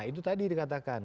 nah itu tadi dikatakan